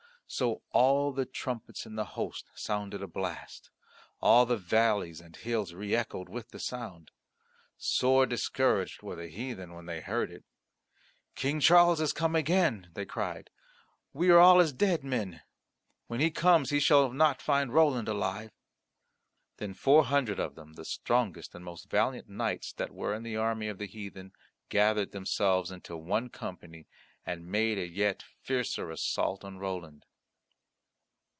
So all the trumpets in the host sounded a blast; all the valleys and hills re echoed with the sound; sore discouraged were the heathen when they heard it. "King Charles has come again," they cried; "we are all as dead men. When he comes he shall not find Roland alive." Then four hundred of them, the strongest and most valiant knights that were in the army of the heathen, gathered themselves into one company, and made a yet fiercer assault on Roland.